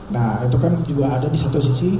nah itu kan juga ada di satu sisi